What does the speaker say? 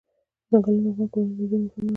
ځنګلونه د افغان کورنیو د دودونو مهم عنصر دی.